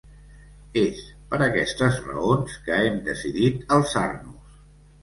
És per aquestes raons que hem decidit alçar-nos.